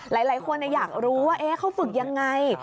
หลายคนอยากรู้ว่าเขาฝึกยังไง